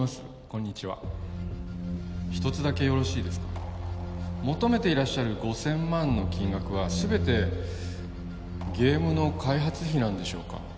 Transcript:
こんにちは一つだけよろしいですか求めていらっしゃる５０００万の金額は全てゲームの開発費なんでしょうか？